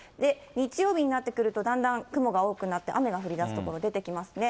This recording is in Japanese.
日曜日になってくると、だんだん雲が多くなって、雨が降りだす所出てきますね。